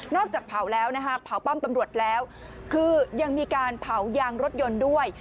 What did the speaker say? จากเผาแล้วนะฮะเผาป้อมตำรวจแล้วคือยังมีการเผายางรถยนต์ด้วย